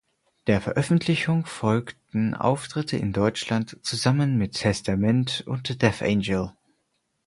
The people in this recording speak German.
Der Veröffentlichung folgten Auftritte in Deutschland zusammen mit Testament und Death Angel.